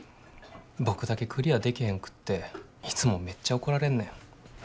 僕だけクリアできへんくっていつもめっちゃ怒られんねん。